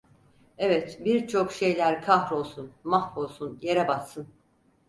Evet birçok şeyler kahrolsun, mahvolsun, yere batsın.